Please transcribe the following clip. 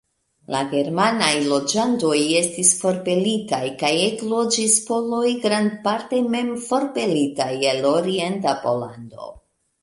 La germanaj loĝantoj estis forpelitaj, kaj ekloĝis poloj, grandparte mem forpelitaj el orienta Pollando.